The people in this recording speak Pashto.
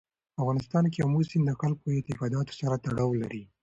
په افغانستان کې آمو سیند د خلکو د اعتقاداتو سره تړاو لري.